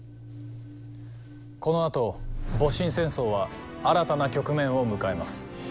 このあと戊辰戦争は新たな局面を迎えます。